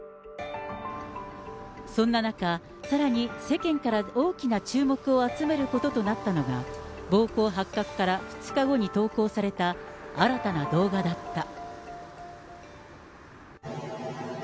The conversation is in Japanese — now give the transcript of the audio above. そんな中、さらに世間から大きな注目を集めることとなったのが、暴行発覚から２日後に投稿された新たな動画だった。